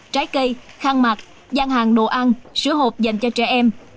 trái cây khăn mặt gian hàng đồ ăn sữa hộp dành cho trẻ em